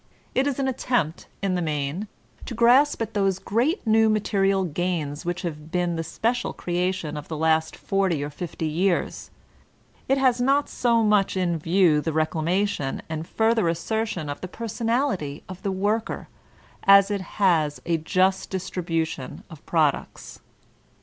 It is an attempt, in the main, to grasp at those great new material gains which have been the special creation of the last forty or fifty years. It has not so much in view the reclamation and further assertion of the personality of the worker as it has a just distribution of products.